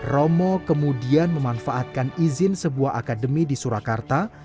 romo kemudian memanfaatkan izin sebuah akademi di surakarta